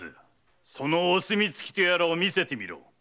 そのお墨付きとやらを見せてみろ。